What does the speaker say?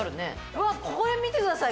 うわこれ見てください